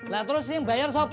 lah terus yang bayar sopa